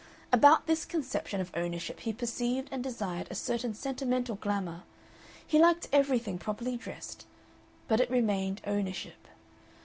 About this conception of ownership he perceived and desired a certain sentimental glamour, he liked everything properly dressed, but it remained ownership.